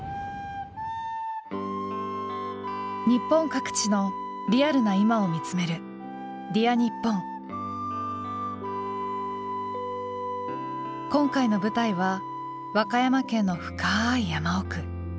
日本各地のリアルな今を見つめる今回の舞台は和歌山県の深い山奥。